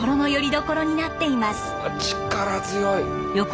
力強い！